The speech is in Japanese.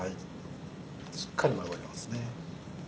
しっかりまぶりますね。